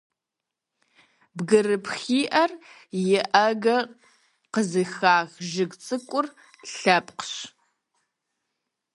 Бгырыпхиӏэр иӏэгӏэ къызыхах жыг цӏыкӏу лъэпкъщ.